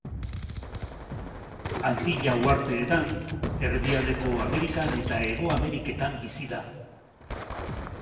Antilla uharteetan, Erdialdeko Amerikan eta Hego Ameriketan bizi da.